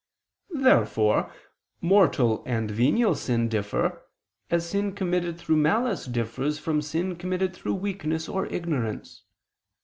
Therefore mortal and venial sin differ as sin committed through malice differs from sin committed through weakness or ignorance.